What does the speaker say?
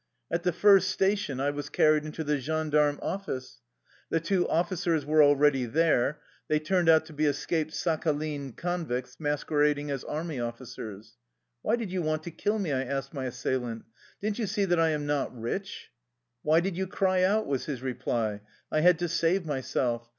At the first station I was carried into the gendarme office. The two officers were already there. They turned out to be escaped Sakhalien convicts masquerading as army officers. " Why did you want to kill me? " I asked my assailant. "Didn4 you see that I am not rich?" " Why did you cry out? '' was his reply. " I had to save myself.